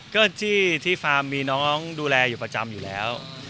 ก็จี้ที่ฟาร์มมีน้องดูแลอยู่ประจำอยู่แล้ว